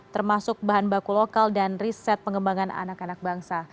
termasuk bahan baku lokal dan riset pengembangan anak anak bangsa